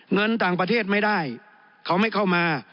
เงินต่างประเทศไม่ได้เขาไม่เข้ามา